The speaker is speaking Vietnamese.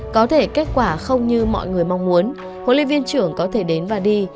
có thể kết quả không như mọi người mong muốn hội liên viên trưởng có thể đến và đi